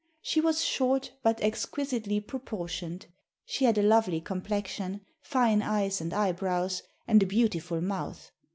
She was short, but exquisitely proportioned; she had a lovely complexion, fine eyes and eyebrows, and a beautiful mouth.